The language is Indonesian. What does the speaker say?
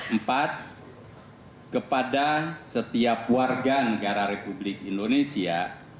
empat kepada setiap warga negara republik indonesia